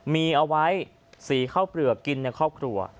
มีเอาไว้สีข้าวเปลือกกินในครอบครัว